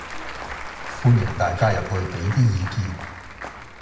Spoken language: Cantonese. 歡迎大家得閒入去俾啲意見